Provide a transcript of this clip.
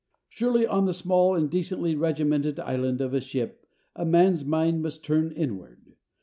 Surely, on the small and decently regimented island of a ship a man's mind must turn inward.